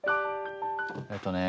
えっとね。